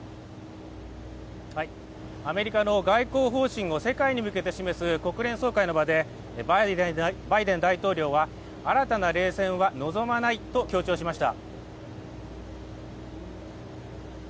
アメリカの外交方針を世界に向けて示す国連総会の場でバイデン大統領は、新たな冷戦は望まないと強調しました。